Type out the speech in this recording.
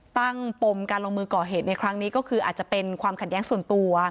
ปมการลงมือก่อเหตุในครั้งนี้ก็คืออาจจะเป็นความขัดแย้งส่วนตัว